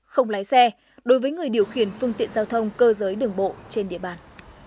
không lái xe đối với người điều khiển phương tiện giao thông cơ giới đường bộ trên địa bàn